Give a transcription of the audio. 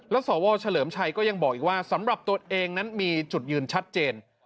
แล้วสวเฉลิมชัยก็ยังบอกอีกว่าสำหรับตัวเองนั้นมีจุดยืนชัดเจน